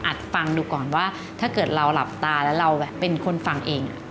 ฟังดูก่อนว่าถ้าเกิดเราหลับตาแล้วเราเป็นคนฟังเอง